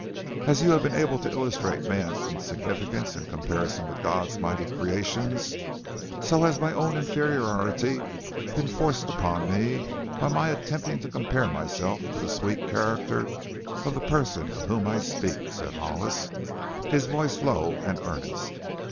"As you have been able to illustrate man's insignificance in comparison to God's mighty creations, so has my own inferiority been forced upon me by my attempting to compare myself to the sweet character of the person of whom I speak," said Hollis, his voice low and earnest.